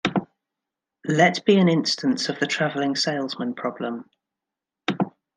Let be an instance of the travelling salesman problem.